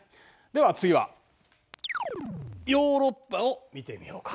では次はヨーロッパを見てみようか。